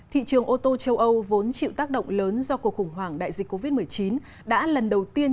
thị trường ô tô châu âu vốn chịu tác động lớn do cuộc khủng hoảng đại dịch covid một mươi chín đã lần đầu tiên